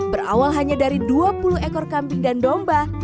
berawal hanya dari dua puluh ekor kambing dan domba